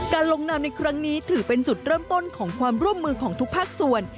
ลงนามในครั้งนี้ถือเป็นจุดเริ่มต้นของความร่วมมือของทุกภาคส่วน